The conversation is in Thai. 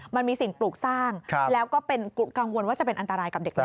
มันมีสิ่งปลูกสร้างแล้วก็กังวลจะเป็นอันตรายกับเด็กเล็ก